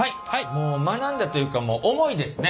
もう学んだというかもう思いですね。